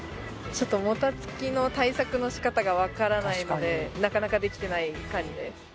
ちょっともたつきの対策の仕方が分からないのでなかなかできてない感じです